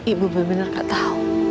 ibu bener bener gak tau